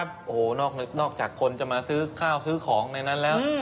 โอ้โหนอกจากคนจะมาซื้อข้าวซื้อของในนั้นแล้ว